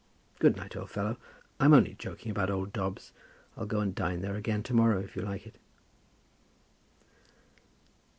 Good night, old fellow. I'm only joking about old Dobbs. I'll go and dine there again to morrow, if you like it."